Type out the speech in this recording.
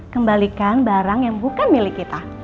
kembalikan barang yang bukan milik kita